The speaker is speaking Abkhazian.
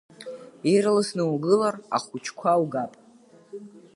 Ирласны угылар, ахәыҷқәа угап.